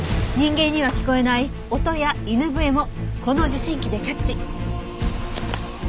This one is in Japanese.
人間には聞こえない音や犬笛もこの受信機でキャッチ。